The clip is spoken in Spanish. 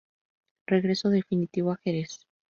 Regreso definitivo a Jerez.